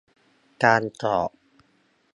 การสอบ